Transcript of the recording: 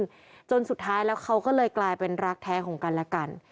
จนสุดท้ายแล้วเขาก็เลยกลายเป็นรักแท้ของกันและกัน